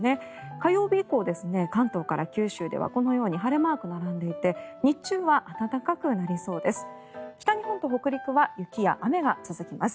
火曜日以降、関東から九州ではこのように晴れマークが並んでいて日中は暖かくなりそうです。